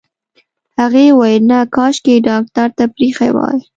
هغې وويل نه کاشکې يې ډاکټر ته پرېښې وای.